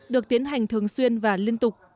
được tiến hành thường xuyên và liên tục